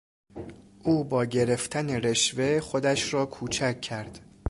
او با گرفتن رشوه خودش را کوچک کرد.